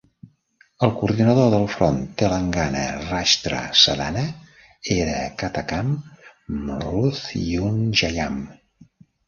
El coordinador del Front Telangana Rashtra Sadhana era Katakam Mruthyunjayam.